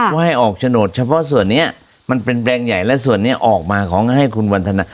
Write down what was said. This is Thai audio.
ว่าให้ออกโฉนดเฉพาะส่วนนี้มันเป็นแบรนด์ใหญ่และส่วนนี้ออกมาขอให้คุณวันทนา